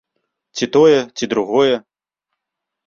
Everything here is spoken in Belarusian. Ці тое, ці другое.